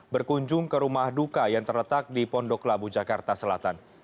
berkunjung ke rumah duka yang terletak di pondok labu jakarta selatan